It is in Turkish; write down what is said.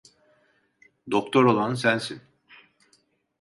Doktor olan sensin.